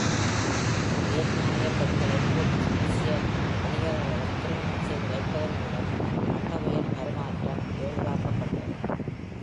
வியட்நாமிய பெண்களை போர்த்துகீசிய வணிகர்களுடன் திருமணம் செய்துவைப்பதன் மூலம் அண்டவியல் பரிமாற்றம் எளிதாக்கப்பட்டது.